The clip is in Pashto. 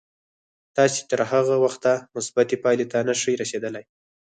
تاسې تر هغه وخته مثبتې پايلې ته نه شئ رسېدای.